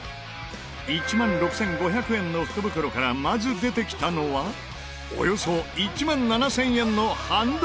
１万６５００円の福袋からまず出てきたのはおよそ１万７０００円のハンド